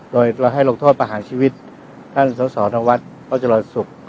โดยเราให้รองทอดประห่างชีวิตท่านสสรวรวรรษทางวัดอาจารย์สุข